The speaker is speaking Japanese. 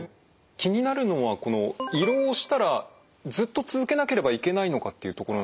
気になるのは胃ろうをしたらずっと続けなければいけないのかっていうところなんです。